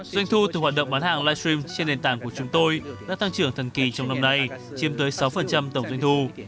doanh thu từ hoạt động bán hàng livestream trên nền tảng của chúng tôi đã tăng trưởng thần kỳ trong năm nay chiếm tới sáu tổng doanh thu